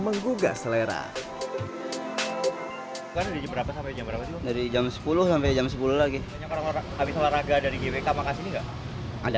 menggugah selera dari jam sepuluh sampai jam sepuluh lagi habis olahraga dari gwk makasih ada aja